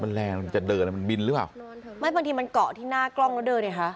มันแรงมันจะเดินอ่ะมันบินหรือเปล่าไม่บางทีมันเกาะที่หน้ากล้องแล้วเดินดิคะ